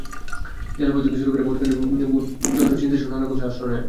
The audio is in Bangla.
জাল ভোট থেকে শুরু করে ভোটকেন্দ্রের ভোটযন্ত্র ছিনতাইসহ নানা কৌশলের আশ্রয় নেয়।